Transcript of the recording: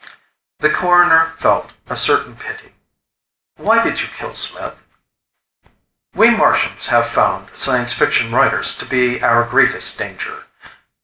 The Coroner felt a certain pity. "Why did you kill Smith?" "We Martians have found science fiction writers to be our greatest danger.